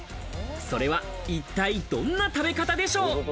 それは一体どんな食べ方でしょう？